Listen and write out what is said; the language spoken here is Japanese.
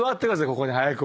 ここに早く。